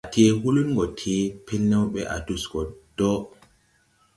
A tee huulin gɔ tee, pelnew bɛ a dus gɔ do.